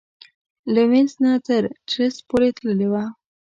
له وینس نه تر ترېسټ پورې تللې وه.